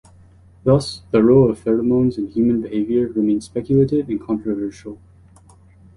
Thus, the role of pheromones in human behavior remains speculative and controversial.